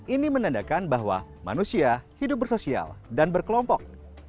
ini menandakan bahwa manusia hidup bersosial dan berkelompok